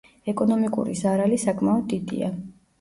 ეკონომიკური ზარალი საკმაოდ დიდია.